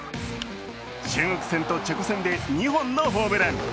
中国戦とチェコ戦で２本のホームラン。